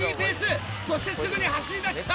そしてすぐに走りだした！